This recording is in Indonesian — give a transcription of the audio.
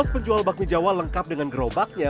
sebelas penjual bakmi jawa lengkap dengan gerobaknya